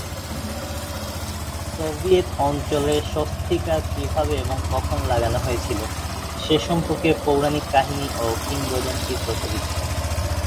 Soviet অঞ্চলে স্বস্তিকা কীভাবে এবং কখন লাগানো হয়েছিল সে সম্পর্কে পৌরাণিক কাহিনী ও কিংবদন্তি প্রচলিত।